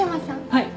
はい。